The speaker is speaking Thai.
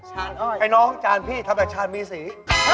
ชานอ้อยไอ้น้องจานพี่ทำจากชานมีสี